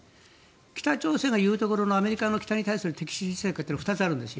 北朝鮮が言うところのアメリカの北に対する敵視政策というのは２つあるんですよ。